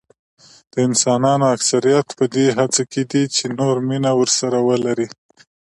د انسانانو اکثریت په دې هڅه کې دي چې نور مینه ورسره ولري.